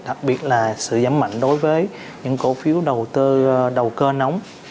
đặc biệt là sự giảm mạnh đối với những cổ phiếu đầu cơ nóng